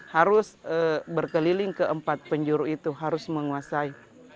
harus berkeliling ke empat penjuru itu harus menguasai